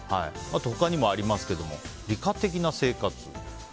他にもありますけど理科的な生活。